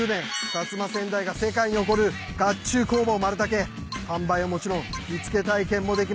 薩摩川内が世界に誇る甲冑工房丸武販売はもちろん着付け体験もできます。